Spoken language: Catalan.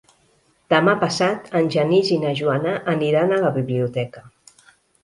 Demà passat en Genís i na Joana aniran a la biblioteca.